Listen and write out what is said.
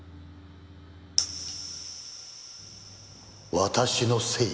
私のせい？